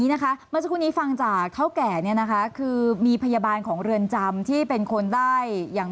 เมื่อเจ้าคู่นี้ฟังแมวงั่นเดียวมีพยาบาลเรือนจำที่เป็นคนได้